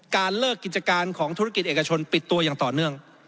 การเลิกกิจการของธุรกิจเอกชนปิดตัวอย่างต่อเนื่อง